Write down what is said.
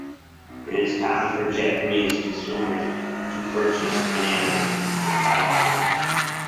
It is common for Japanese consumers to purchase bananas from Taiwan.